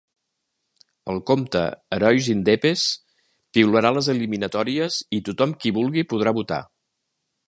El compte Herois indepes piularà les eliminatòries i tothom qui vulgui podrà votar.